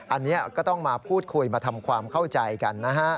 อันนี้ก็ต้องมาพูดคุยมาทำความเข้าใจกันนะฮะ